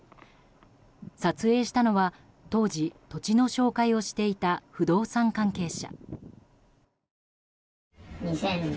撮影したのは当時、土地の紹介をしていた不動産関係者。